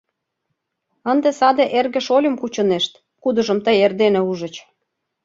Ынде саде эрге-шольым кучынешт, кудыжым тый эрдене ужыч...